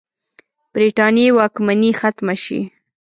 برټانیې واکمني ختمه شي.